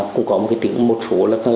cũng có một số